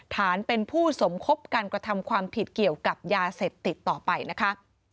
ฐานเป็นผู้สมคบการกระทำความผิดเกี่ยวกับยาเสพติดต่อไปนะคะ